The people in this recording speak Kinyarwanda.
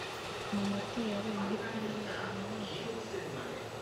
mu matora yabaye muri Kanama uyu mwaka